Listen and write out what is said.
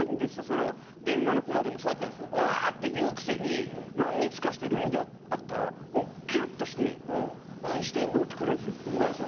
その電話のくだりもそうやったんですけどバーッて言うくせに何日かしてルミネで会ったらもうケロッとして「何してんの？」って来るんですよ。